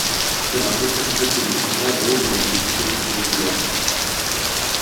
Elle a interprété les plus grands rôles et enregistré les plus beaux airs.